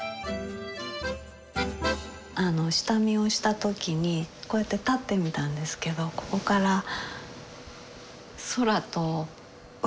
あの下見をした時にこうやって立ってみたんですけどここから空と海が見えて。